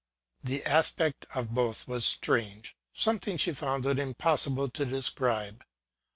The aspect of both was strange ŌĆö something she found it impossible to describe.